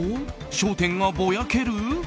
焦点がぼやける？